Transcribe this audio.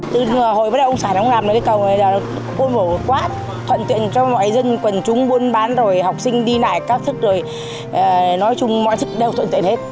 thuận tuyện cho mọi dân quần chúng buôn bán học sinh đi nải các thức nói chung mọi thức đều thuận tuyện hết